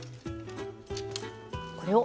これを？